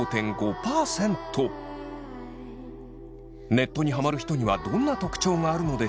ネットにハマる人にはどんな特徴があるのでしょう。